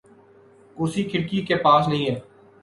کرسی کھڑکی کے پاس نہیں ہے